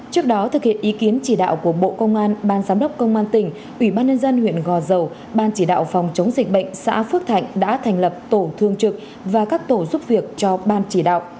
trước đó thực hiện ý kiến chỉ đạo của bộ công an ban giám đốc công an tỉnh ủy ban nhân dân huyện gò dầu ban chỉ đạo phòng chống dịch bệnh xã phước thạnh đã thành lập tổ thương trực và các tổ giúp việc cho ban chỉ đạo